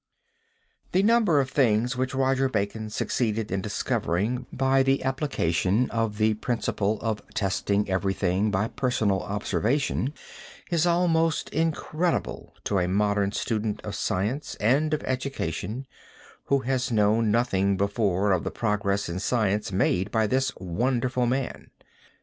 The number of things which Roger Bacon succeeded in discovering by the application of the principle of testing everything by personal observation, is almost incredible to a modern student of science and of education who has known nothing before of the progress in science made by this wonderful man.